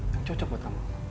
yang cocok buat kamu